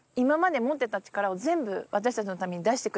全部。